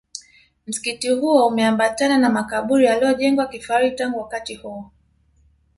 Msikiti huo umeambatana na makaburi yaliyojengwa kifahari tangu wakati huo